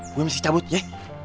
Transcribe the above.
gue mesti cabut ya